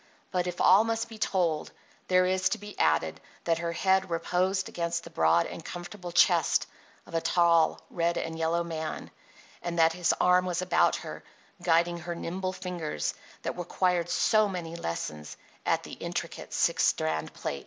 But if all must be told, there is to be added that her head reposed against the broad and comfortable chest of a tall red and yellow man, and that his arm was about her, guiding her nimble fingers that required so many lessons at the intricate six strand plait.